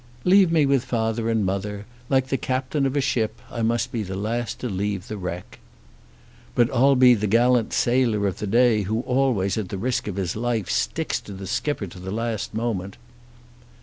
"Leave me with father and mother. Like the captain of a ship, I must be the last to leave the wreck." "But I'll be the gallant sailor of the day who always at the risk of his life sticks to the skipper to the last moment."